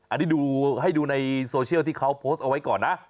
อันนี้ดูให้ดูในโซเชียลที่เขาโพสต์เอาไว้ก่อนนะ